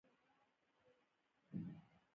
یو ځل خو دا د بوتل سر خلاص کړه چې څښاک پرې وکړو.